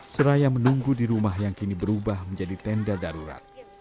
seraya menunggu di rumah yang kini berubah menjadi tenda darurat